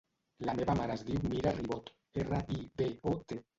La meva mare es diu Mira Ribot: erra, i, be, o, te.